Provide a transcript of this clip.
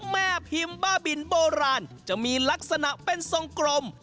แม่พิมพ์บ้าบินโบราณจะมีลักษณะเป็นทรงกลม